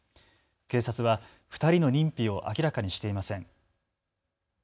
警察は２人の認否を明らかにしていません。